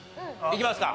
いきますか？